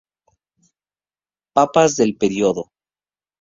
Papas del periodo